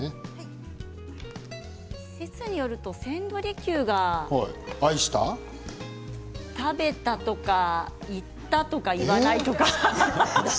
説によると千利休が食べたとか、言ったとか言わないとか。